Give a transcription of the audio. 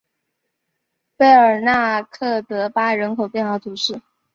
贝尔纳克德巴人口变化图示